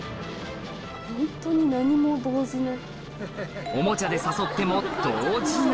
ホントに何も動じない。